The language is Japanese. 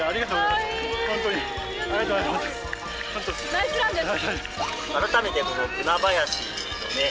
ナイスランです！